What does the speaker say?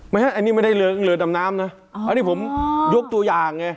อันนี้ไม่ได้เรือดำน้ำนะอันนี้ผมยกตัวอย่างไง